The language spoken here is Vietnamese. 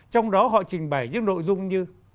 trong đó họ trình bày những nội dung như